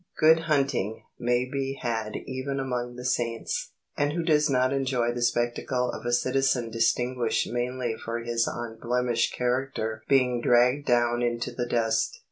Good hunting may be had even among the saints, and who does not enjoy the spectacle of a citizen distinguished mainly for his unblemished character being dragged down into the dust?